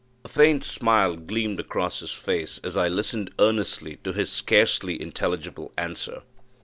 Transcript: A faint smile gleamed across his face as I listened earnestly to his scarcely intelligible answer.